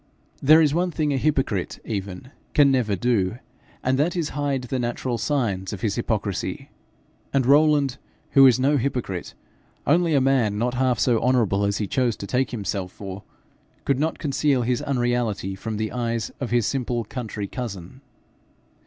There is one thing a hypocrite even can never do, and that is, hide the natural signs of his hypocrisy; and Rowland, who was no hypocrite, only a man not half so honourable as he chose to take himself for, could not conceal his unreality from the eyes of his simple country cousin.